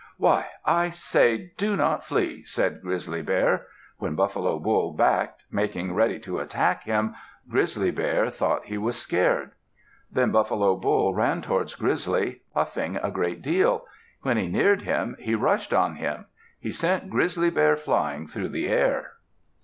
"Why! I say, do not flee," said Grizzly Bear. When Buffalo Bull backed, making ready to attack him, Grizzly Bear thought he was scared. Then Buffalo Bull ran towards Grizzly, puffing a great deal. When he neared him, he rushed on him. He sent Grizzly Bear flying through the air.